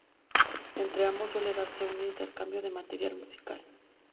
Entre ambos suele darse un intercambio de material musical.